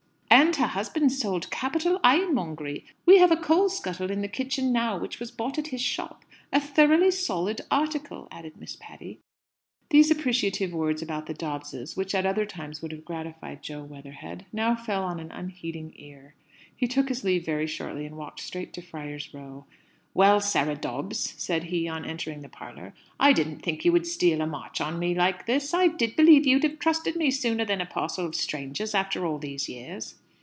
"And her husband sold capital ironmongery. We have a coal scuttle in the kitchen now which was bought at his shop a thoroughly solid article," added Miss Patty. These appreciative words about the Dobbses, which at another time would have gratified Jo Weatherhead, now fell on an unheeding ear. He took his leave very shortly, and walked straight to Friar's Row. "Well, Sarah Dobbs," said he, on entering the parlour, "I didn't think you would steal a march on me like this! I did believe you'd have trusted me sooner than a parcel of strangers, after all these years!"